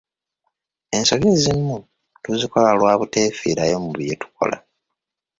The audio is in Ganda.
Ensobi ezimu tuzikola lwa buteefiirayo mu bye tukola.